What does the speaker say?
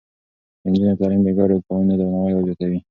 د نجونو تعليم د ګډو قوانينو درناوی زياتوي.